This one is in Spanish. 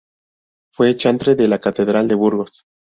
Fue chantre de la Catedral de Burgos.